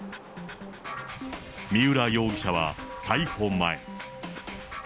三浦容疑者は逮捕前。